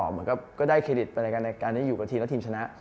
เหมือนก็ได้เครดิตเป็นรายการในการได้อยู่กับทีมแล้วทีมชนะ